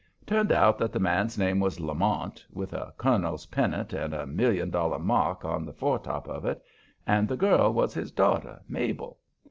It turned out that the man's name was Lamont, with a colonel's pennant and a million dollar mark on the foretop of it, and the girl was his daughter Mabel.